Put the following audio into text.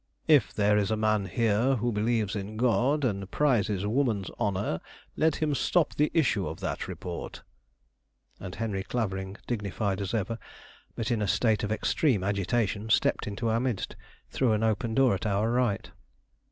"If there is a man here who believes in God and prizes woman's honor, let him stop the issue of that report." And Henry Clavering, dignified as ever, but in a state of extreme agitation, stepped into our midst through an open door at our right.